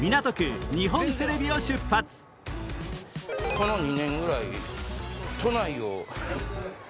この２年ぐらい都内を。